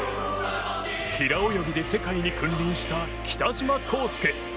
平泳ぎで世界に君臨した北島康介。